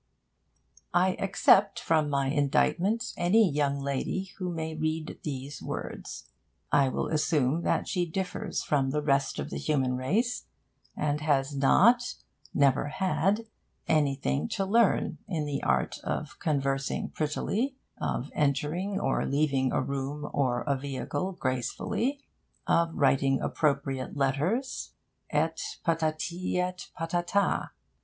I except from my indictment any young lady who may read these words. I will assume that she differs from the rest of the human race, and has not, never had, anything to learn in the art of conversing prettily, of entering or leaving a room or a vehicle gracefully, of writing appropriate letters, et patati et patata.